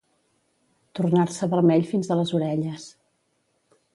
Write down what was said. Tornar-se vermell fins a les orelles.